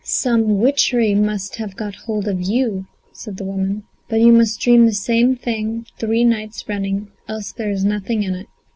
"Some witchery must have got hold of you," said the woman, "but you must dream the same thing three nights running, else there is nothing in it."